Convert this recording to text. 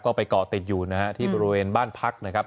ก็ไปเกาะติดอยู่นะฮะที่บริเวณบ้านพักนะครับ